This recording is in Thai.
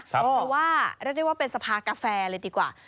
เพราะว่าเรียกได้ว่าเป็นสภากาแฟเลยดีกว่า